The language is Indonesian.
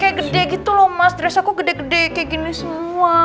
kayak gede gitu loh mas dress aku gede gede kayak gini semua